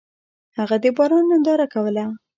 هغه د باران ننداره کوله.